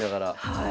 はい。